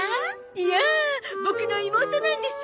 いやあボクの妹なんです。